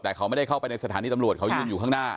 แต่เขาไม่ได้เข้าไปในสถานีตำรวจเขายืนอยู่ข้างหน้า